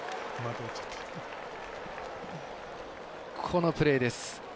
このプレーです。